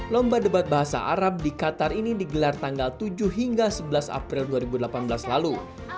lomba debat bahasa arab di qatar ini digelar tanggal tujuh hingga sebelas april dua ribu delapan belas lalu